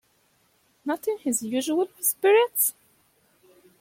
Not in his usual spirits?